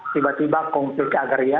tiba tiba konflik agraria